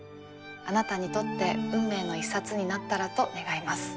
あなたにとって運命の一冊になったらと願います。